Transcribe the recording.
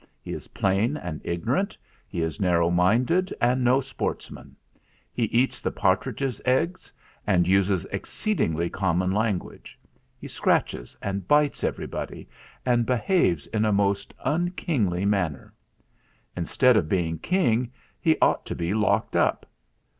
He is plain and ignorant. He is nar row minded and no sportsman. He eats the partridges* eggs and uses exceedingly common language; he scratches and bites everybody, and behaves in a most unkingly manner. Instead of being king, he ought to be locked up.